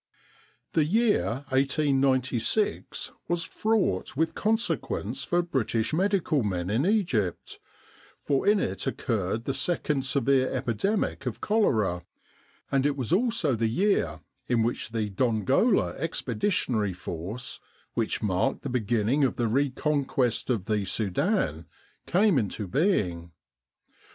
The year 1896 was fraught with consequence for British medical men in Egypt, for in it occurred the second severe epidemic of cholera, and it was also the year in which the Dongola Expeditionary Force which marked the beginning of the reconquest of the Sudan came into being.